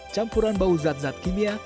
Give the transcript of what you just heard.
campuran bau zat zat kimia